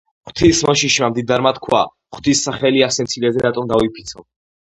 ღვთის მოშიშმა მდიდარმა თქვა: ღვთის სახელი ასე მცირეზე რატომ დავიფიცო